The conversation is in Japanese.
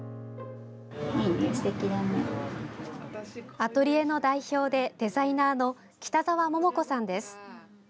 アトリエの代表でデザイナーの北澤桃子さんです。